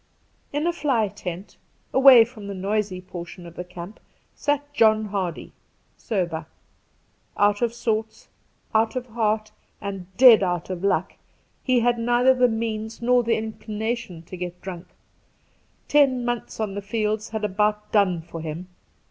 In a fly tent, away from the noisy portion of the camp, sat John Hardy — sober. Out of sorts, out of heart, and dead out of luck, he had neither' the Two Christmas Days 189 means nor the inclination to get drunk. Ten months on the fields had about done for him.